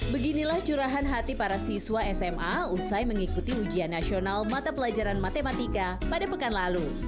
beginilah curahan hati para siswa sma usai mengikuti ujian nasional mata pelajaran matematika pada pekan lalu